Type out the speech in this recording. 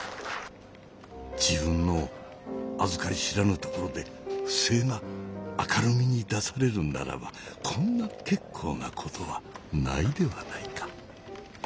自分のあずかり知らぬところで不正が明るみに出されるならばこんな結構なことはないではないか。